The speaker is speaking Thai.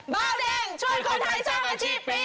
เบาแดงช่วยคนไทยสร้างอาชีพปี๒